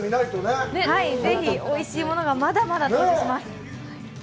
ぜひおいしいものが、まだまだお届けします。